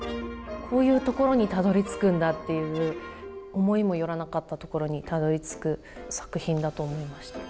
こういうところにたどりつくんだっていう思いも寄らなかったところにたどりつく作品だと思いました。